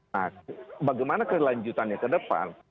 nah bagaimana kelanjutannya ke depan